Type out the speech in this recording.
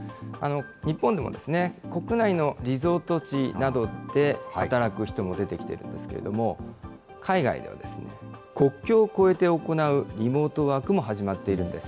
日本でも国内のリゾート地などで働く人も出てきているんですけれども、海外では、国境を越えて行うリモートワークも始まっているんです。